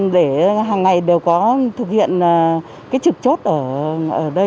để hàng ngày đều có thực hiện cái trực chốt ở đây